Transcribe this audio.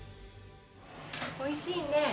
おいしいね。